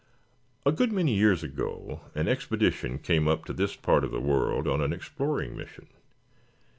A good many years ago an expedition came up to this part of the world on an exploring mission.